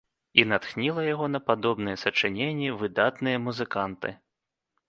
І натхніла яго на падобныя сачыненні выдатныя музыканты.